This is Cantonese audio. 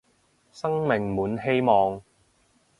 生命滿希望